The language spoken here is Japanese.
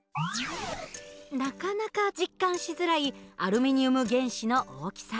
なかなか実感しづらいアルミニウム原子の大きさ。